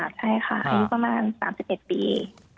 ใช่ค่ะให้เป้าหม่า๓๗ปี